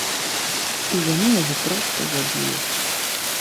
І яны яго проста забілі.